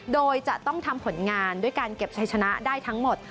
โดยจะต้องทำผลงานด้วยการเก็บชัยชนะได้ทั้งหมด